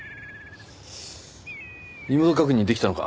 身元確認できたのか？